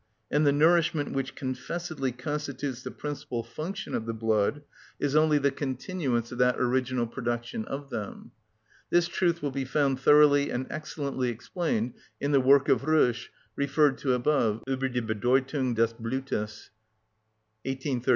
And the nourishment which confessedly constitutes the principal function of the blood is only the continuance of that original production of them. This truth will be found thoroughly and excellently explained in the work of Rösch referred to above: "Ueber die Bedeutung des Blutes," 1839.